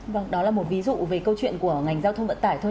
vâng đó là một ví dụ về câu chuyện của ngành giao thông vận tải thôi